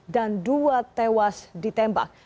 dan dua tewas ditembak